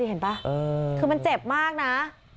เห็นป่ะคือมันเจ็บมากนะ